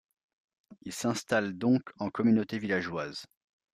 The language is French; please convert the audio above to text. Ils s'installent donc en communautés villageoises.